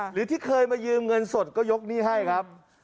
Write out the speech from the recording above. หรือที่เคยมายืมเงินสดก็ยกหนี้ให้ครับ